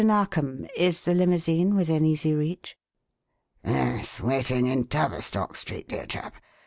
Narkom, is the limousine within easy reach?" "Yes, waiting in Tavistock Street, dear chap.